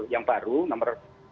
yang baru nomor tiga puluh dua